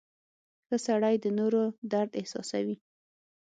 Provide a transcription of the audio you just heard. • ښه سړی د نورو درد احساسوي.